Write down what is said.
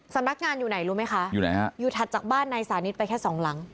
สำนักงานอยู่ไหนรู้ไหมคะอยู่ไหนฮะอยู่ถัดจากบ้านนายสานิทไปแค่สองหลัง